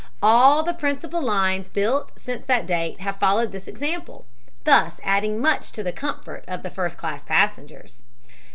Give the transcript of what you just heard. All the principal lines built since that date have followed this example, thus adding much to the comfort of the first class passengers.